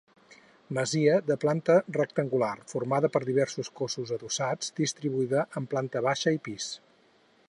Masia de planta rectangular, formada per diversos cossos adossats, distribuïda en planta baixa i pis.